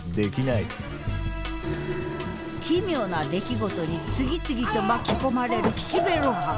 奇妙な出来事に次々と巻き込まれる岸辺露伴。